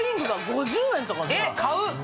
買う！